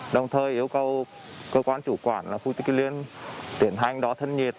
đồng thời yêu cầu cơ quan chủ quản là khu di tích kim liên tiến hành đó thân nhiệt